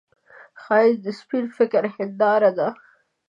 ښایست د سپين فکر هنداره ده